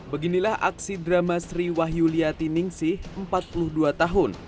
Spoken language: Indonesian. beginilah aksi drama sri wahyuliati ningsih empat puluh dua tahun